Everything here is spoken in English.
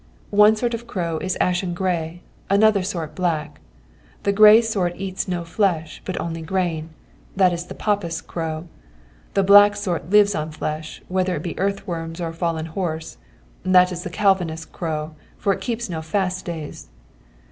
"'One sort of crow is ashen grey, another sort black. The grey sort eats no flesh, but only grain; that is the Papist crow. The black sort lives on flesh, whether it be earthworms or fallen horse; that is the Calvinist crow, for it keeps no fast days.'